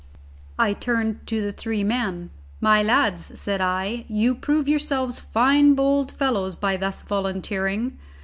I turned to the three men: "My lads," said I, "you prove yourselves fine bold fellows by thus volunteering.